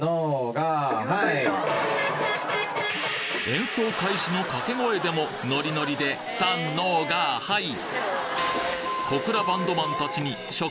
演奏開始の掛け声でもノリノリで「さんのーがーはい」